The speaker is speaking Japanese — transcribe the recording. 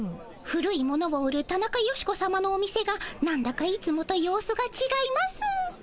古い物を売るタナカヨシコさまのお店がなんだかいつもと様子がちがいます。